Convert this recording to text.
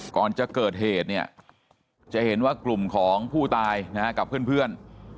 ก่อนจะเกิดเหตุเนี่ยจะเห็นว่ากลุ่มของผู้ตายนะฮะกับเพื่อน